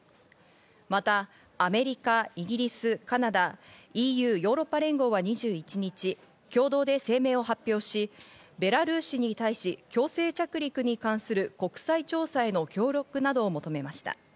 またアメリカ、イギリス、カナダ、ＥＵ＝ヨーロッパ連合は２１日、共同で声明を発表し、ベラルーシに対し強制着陸に関する国際調査への協力などを求めました。